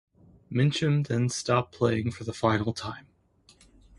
Mincham then stopped playing for the final time.